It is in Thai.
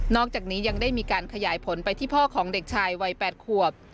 อกจากนี้ยังได้มีการขยายผลไปที่พ่อของเด็กชายวัย๘ขวบ